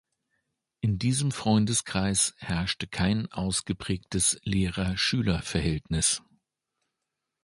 In diesem Freundeskreis herrschte kein ausgeprägtes Lehrer-Schüler-Verhältnis.